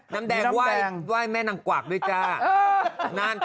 น้ำแดงไหว้แม่นางกวากด้วยจ้า